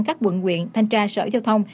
các quận quyện thanh tra sở giao thông